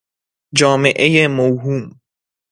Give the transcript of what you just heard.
جامعهُ موهوم